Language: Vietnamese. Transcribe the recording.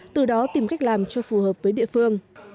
từ đó tìm cách làm cho phù hợp với địa phương